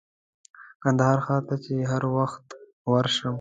کندهار ښار ته چې هر وخت ورشم.